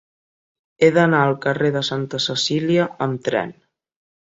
He d'anar al carrer de Santa Cecília amb tren.